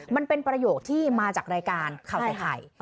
มันเป็นประโยชน์ที่มาจากรายการเข่าใคร